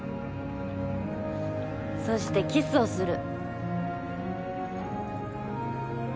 そしてキスをする。